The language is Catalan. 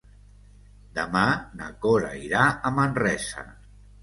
Demà na Cora irà a Manresa.